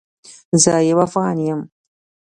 زه یو افغان یم